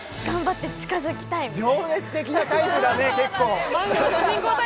情熱的なタイプだね結構！